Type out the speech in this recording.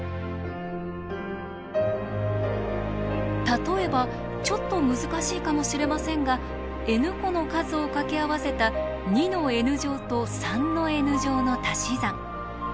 例えばちょっと難しいかもしれませんがｎ個の数をかけ合わせた２のｎ乗と３のｎ乗のたし算。